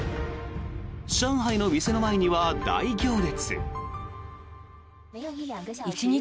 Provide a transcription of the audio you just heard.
上海の店の前には大行列。